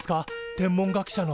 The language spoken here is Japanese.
天文学者の。